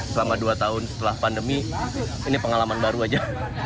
selama dua tahun setelah pandemi ini pengalaman baru aja